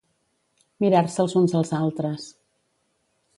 Mirar-se els uns als altres.